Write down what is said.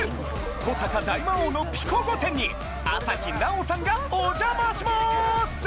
古坂大魔王のピコ御殿に朝日奈央さんがおじゃまします！